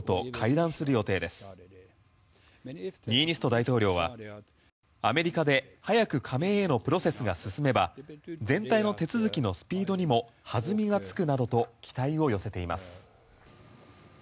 大統領はアメリカで早く加盟へのプロセスが進めば全体の手続きのスピードにも弾みがつくなどと期待を寄せています。